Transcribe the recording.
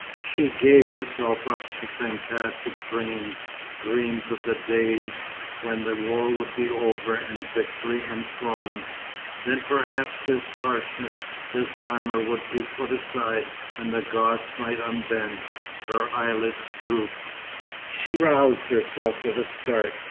She gave herself up to fantastic dreams, dreams of the days when the war would be over and victory enthroned. Then perhaps this harshness, this armour would be put aside and the gods might unbend. Her eyelids drooped.... She roused herself with a start.